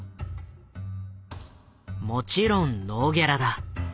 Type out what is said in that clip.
もちろんノーギャラだ。